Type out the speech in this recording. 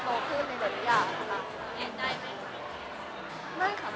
แบบหรือจะได้หรือแบบนั้น